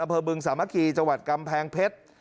อเภอบึงสามะคีจวาดกำแพงเพชร